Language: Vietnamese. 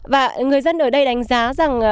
và người dân ở đây đánh giá rằng